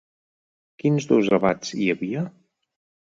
Quins dos abats hi havia?